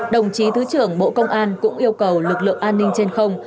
đồng chí thứ trưởng bộ công an cũng yêu cầu lực lượng an ninh trên không